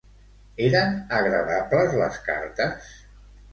Eren agradables les cartes?